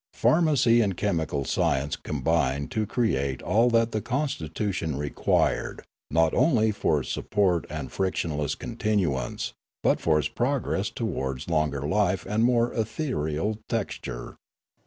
Pharmacy and chemical science combined to create all that the constitution required not only for its support and fric tionless continuance, but for its progress towards longer life and more ethereal texture.